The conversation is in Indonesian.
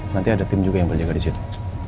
nanti ada tim juga yang boleh jaga di situ